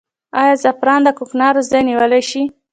آیا زعفران د کوکنارو ځای نیولی شي؟